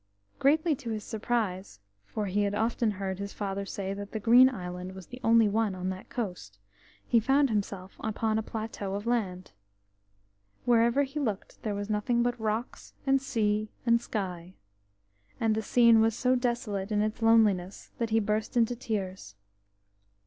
Greatly to his surprise, for he had often heard his father say that the Green Island was the only one on that coast, he found himself upon a plateau of land. Wherever he looked there was nothing but rocks and sea and sky, and the scene was so desolate in its loneliness that he burst into tears.